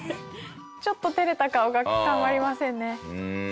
ちょっと照れた顔がたまりませんね。